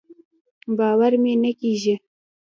باور مې نۀ کېږي.